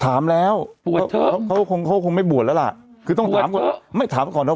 ถามแล้วเขาคงเขาคงไม่บวชแล้วล่ะคือต้องถามไม่ถามก่อนแล้ว